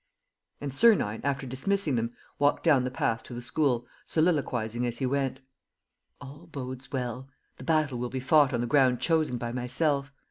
And Sernine, after dismissing them, walked down the path to the school, soliloquizing as he went: "All bodes well. The battle will be fought on the ground chosen by myself.